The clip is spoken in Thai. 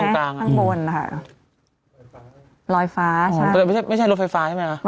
ตรงกลางข้างบนค่ะลอยฟ้าใช่ไหมอ๋อแต่ไม่ใช่ไม่ใช่รถไฟฟ้าใช่ไหมอ่ะ